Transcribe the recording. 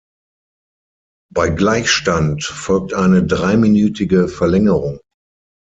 Bei Gleichstand folgt eine dreiminütige Verlängerung.